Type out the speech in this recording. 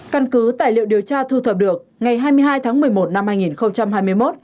căn cứ tài liệu điều tra thu thập được ngày hai mươi hai tháng một mươi một năm hai nghìn hai mươi một